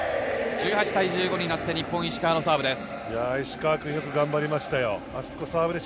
１８対１５になって石川のサーブです。